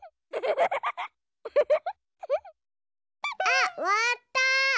あっわらった！